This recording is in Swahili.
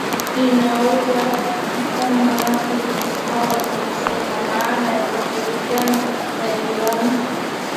inaunga mkono waasi hao na kusema maana ya ushirikiano na jirani